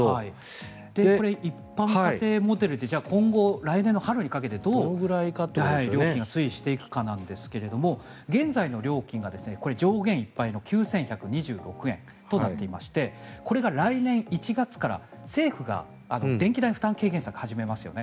一般モデル家庭で今後、来年の春にかけてどう料金が推移していくかなんですが現在の料金が上限いっぱいの９１２６円となっていましてこれが来年１月から政府が電気代負担軽減策を始めますよね。